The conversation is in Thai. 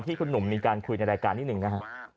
ที่คุณหนุ่มมีการคุยในรายการนิดหนึ่งนะฮะ